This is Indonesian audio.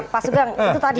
pak sugeng itu tadi